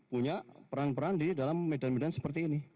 punya perang perang di dalam medan medan seperti ini